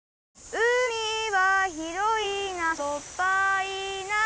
「うみはひろいなしょっぱいな」